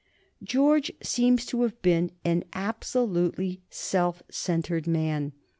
George seems to have been an absolutely self centred man.